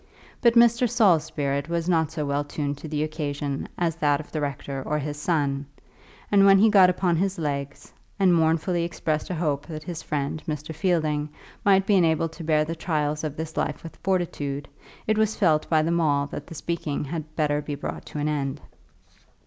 But Mr. Saul's spirit was not so well tuned to the occasion as that of the rector or his son, and when he got upon his legs, and mournfully expressed a hope that his friend Mr. Fielding might be enabled to bear the trials of this life with fortitude, it was felt by them all that the speaking had better be brought to an end.